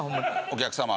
お客様